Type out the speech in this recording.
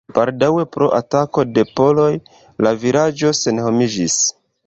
Baldaŭe pro atako de poloj la vilaĝo senhomiĝis.